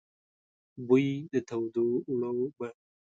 بوی د تودو اوړو به،